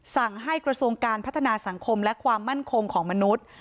สั่งให้กระทรวงการพัฒนาสังคมและความมั่นคงของมนุษย์